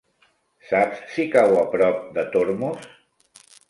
Saps si cau a prop de Tormos?